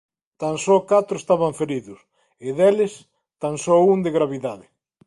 Tan só catro estaban feridos, e, deles, tan só un de gravidade.